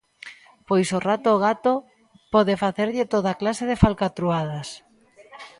Pois o rato ao gato pode facerlle toda clase de falcatruadas.